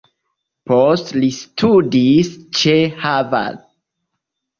Poste li studis ĉe Harvard.